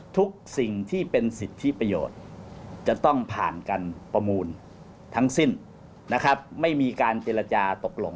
ทุกสิ่งที่เป็นสิทธิประโยชน์จะต้องผ่านการประมูลทั้งสิ้นนะครับไม่มีการเจรจาตกลง